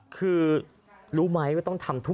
กระทั่งเด็กคลอดออกมาก่อนกำหนด